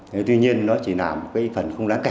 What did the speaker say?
thế tuy nhiên nó chỉ là một cái phần không đáng kể